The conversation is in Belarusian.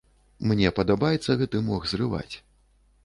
Мне падабаецца гэты мох зрываць.